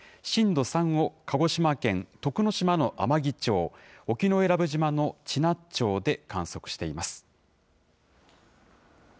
震度３を鹿児島県徳之島の天城町、沖永良部島の知名町で観測しています。